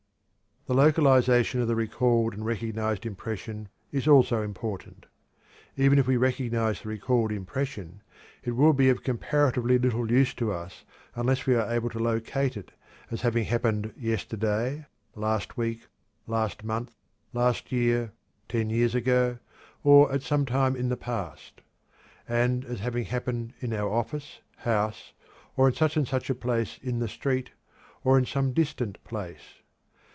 The localization of the recalled and recognized impression is also important. Even if we recognize the recalled impression, it will be of comparatively little use to us unless we are able to locate it as having happened yesterday, last week, last month, last year, ten years ago, or at some time in the past; and as having happened in our office, house, or in such and such a place in the street, or in some distant place.